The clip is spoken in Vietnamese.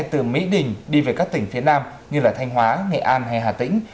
từ mỹ đình đi về các tỉnh phía nam như thanh hóa nghệ an hay hà tĩnh